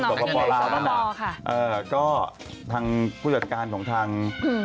ก็พ่อลาวนะนะก็ทั่งผู้จัดการของทาง